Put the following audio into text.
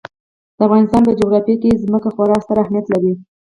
د افغانستان په جغرافیه کې ځمکه خورا ستر اهمیت لري.